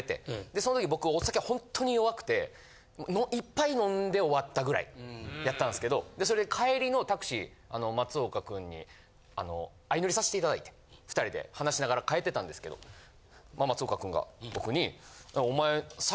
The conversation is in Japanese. その時僕お酒ほんとに弱くて１杯飲んで終わったぐらいやったんすけどそれで帰りのタクシー松岡君に相乗りさせて頂いて２人で話しながら帰ってたんですけど松岡君が僕に。